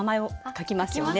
書きますね。